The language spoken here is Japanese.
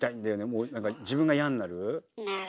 もう何か自分が嫌になる。